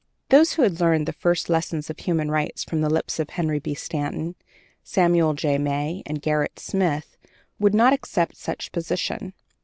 Those who had learned the first lessons of human rights from the lips of Henry B. Stanton, Samuel J. May, and Gerrit Smith would not accept any such position.